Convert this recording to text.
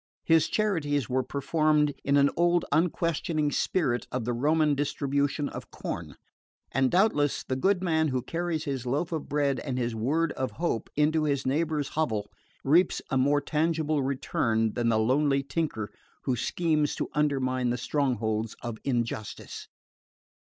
His charities were performed in the old unquestioning spirit of the Roman distribution of corn; and doubtless the good man who carries his loaf of bread and his word of hope into his neighbour's hovel reaps a more tangible return than the lonely thinker who schemes to undermine the strongholds of injustice.